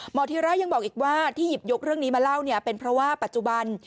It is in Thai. ธิระยังบอกอีกว่าที่หยิบยกเรื่องนี้มาเล่าเนี่ยเป็นเพราะว่าปัจจุบัน